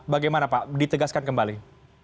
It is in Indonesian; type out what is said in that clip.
bagaimana pak ditegaskan kembali